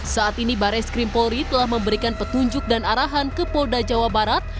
saat ini barres krim polri telah memberikan petunjuk dan arahan ke polda jawa barat